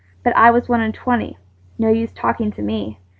'But I was one and twenty, No use to talk to me.